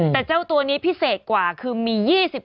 แต่เจ้าตัวนี้พิเศษกว่าคือมี๒๐